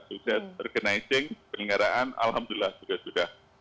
sudah recognizing penggaraan alhamdulillah sudah sudah